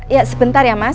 iya sebentar ya mas